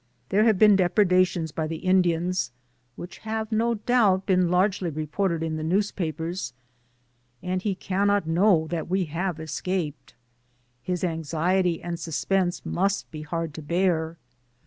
There have been depredations by the Indians, which have no doubt been largely reported in the newspapers, and he cannot know that we have escaped. His anxiety and suspense must be hard to bear.